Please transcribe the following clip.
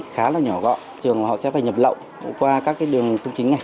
các thiết bị khá là nhỏ gọn thường họ sẽ phải nhập lộn qua các đường không chính này